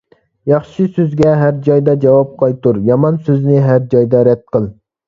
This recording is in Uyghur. ياخشى سۆزگە ھەر جايدا جاۋاب قايتۇر، يامان سۆزنى ھەر جايدا رەت قىل.